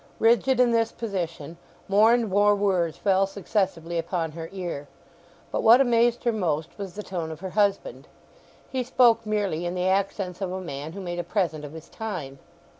Rigid in this position, more and more words fell successively upon her ear. But what amazed her most was the tone of her husband. He spoke merely in the accents of a man who made a present of his time.